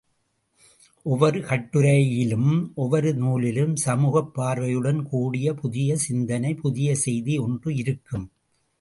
ஒவ்வொரு கட்டுரையிலும் ஒவ்வொரு நூலிலும் சமூகப் பார்வையுடன் கூடிய புதிய சிந்தனை, புதிய செய்தி ஒன்று இருக்கும்.